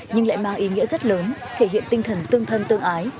nhưng lại mang ý nghĩa rất lớn thể hiện tinh thần tương thân tương ái